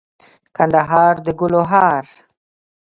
کندهار دګلو هار